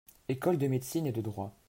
Écoles de Médecine et de Droit.